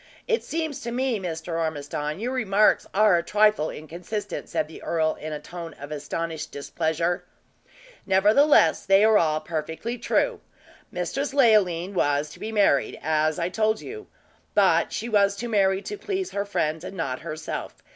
It seems to me, Mr. Ormiston, your remarks are a trifle inconsistent," said the earl, in a tone of astonished displeasure. "Nevertheless, they are all perfectly true. Mistress Leoline was to be married, as I told you; but she was to marry to please her friends, and not herself.